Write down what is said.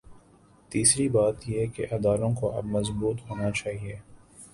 تیسری بات یہ کہ اداروں کو اب مضبوط ہو نا چاہیے۔